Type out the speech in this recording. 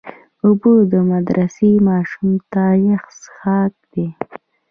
اوبه د مدرسې ماشوم ته یخ څښاک دی.